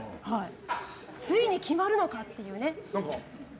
ついに決まるのかっていうね。